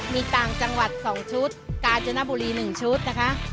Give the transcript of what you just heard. มีต่างจังหวัด๒ชุดกาญจนบุรี๑ชุดนะคะ